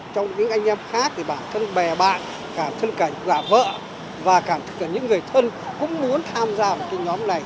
trong những anh em khác thì bản thân bè bạn cả thân cả giả vợ và cả những người thân cũng muốn tham gia vào cái nhóm này